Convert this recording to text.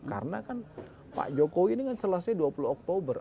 karena kan pak jokowi selesai dua puluh oktober